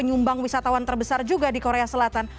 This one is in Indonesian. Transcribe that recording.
nyumbang wisatawan terbesar juga di korea selatan